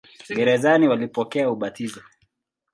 Gerezani walipokea ubatizo.